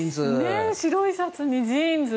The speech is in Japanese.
白いシャツにジーンズ。